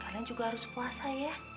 kadang juga harus puasa ya